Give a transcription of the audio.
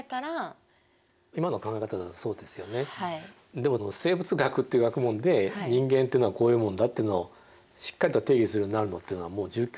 でも生物学っていう学問で人間っていうのはこういうもんだっていうのをしっかりと定義するようになるのっていうのはもう１９世紀ですよね。